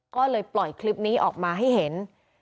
ก็เลยปล่อยคลิปนี้ออกมาให้เห็น